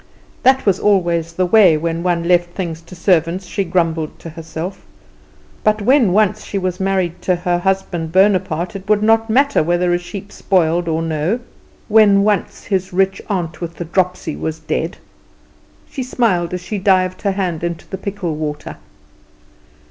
That was always the way when one left things to servants, she grumbled to herself: but when once she was married to her husband Bonaparte it would not matter whether a sheep spoiled or no when once his rich aunt with the dropsy was dead. She smiled as she dived her hand into the pickle water.